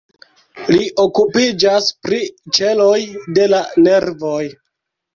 Li okupiĝas pri ĉeloj de la nervoj.